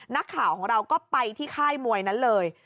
นักข่าวของเราก็ไปที่ค่ายมวยนั้นเลย